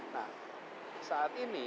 nah saat ini